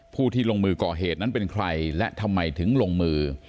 ผู้ที่ลงมือก่อเหตุนั้นเป็นใครและทำไมถึงลงมือ